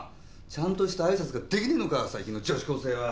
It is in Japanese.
ちゃんとした挨拶ができねぇのか最近の女子高生は！